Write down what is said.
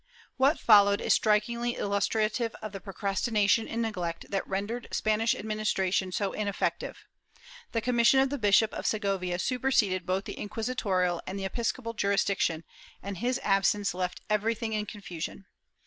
^ What followed is strikingly illustrative of the procrastination and neglect that rendered Spanish administration so ineffective. The commission of the Bishop of Segovia superseded both the inquisitorial and the episcopal jurisdiction, and his absence left everything in confusion.